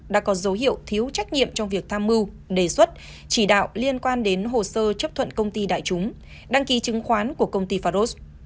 đã có dấu hiệu thiếu trách nhiệm trong việc tham mưu đề xuất chỉ đạo liên quan đến hồ sơ chấp thuận công ty đại chúng đăng ký chứng khoán của công ty faros